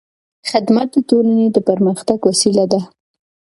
خدمت د ټولنې د پرمختګ وسیله ده.